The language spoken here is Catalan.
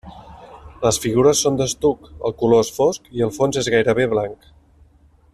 Les figures són d'estuc, el color és fosc i el fons és gairebé blanc.